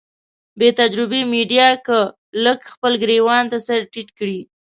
بې تجربې ميډيا که لږ خپل ګرېوان ته سر ټيټ کړي.